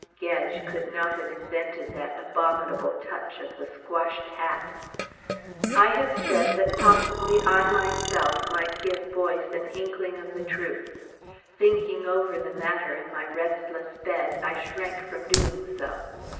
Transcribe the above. Gedge could not have invented that abominable touch of the squashed hat. I have said that possibly I myself might give Boyce an inkling of the truth. Thinking over the matter in my restless bed, I shrank from doing so.